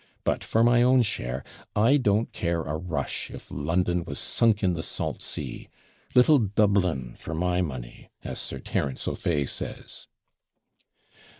But, for my own share, I don't care a rush if London was sunk in the salt sea. Little Dublin for my money, as Sir Terence O'Fay says.'